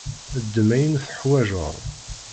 Ddem ayen tuḥwaǧeḍ.